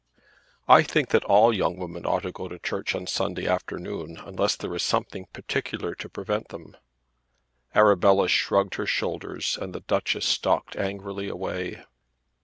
"I think that all young women ought to go to church on Sunday afternoon unless there is something particular to prevent them." Arabella shrugged her shoulders and the Duchess stalked angrily away.